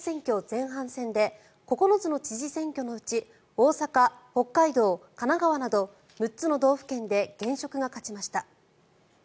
前半戦で９つの知事選挙のうち大阪、北海道、神奈川など６つの道府県で現職が勝ちました。